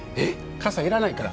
傘、要らないから。